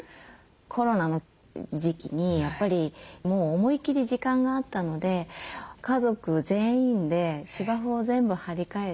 コロナの時期にやっぱりもう思いきり時間があったので家族全員で芝生を全部張り替えて。